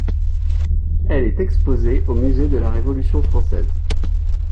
Elle est exposée au musée de la Révolution française.